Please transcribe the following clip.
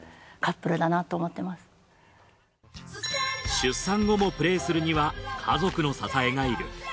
出産後もプレーするには家族の支えがいる。